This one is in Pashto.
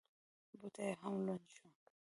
بوټ یې هم لوند شو.